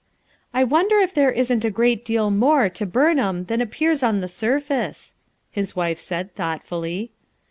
"I wonder if there isn't a great deal more to Burnham than appears on the surface?" his wife said thoughtfully.